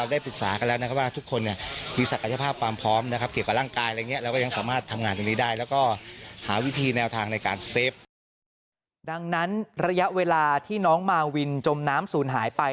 ดังนั้นระยะเวลาที่น้องมาวินจมน้ำศูนย์หายไป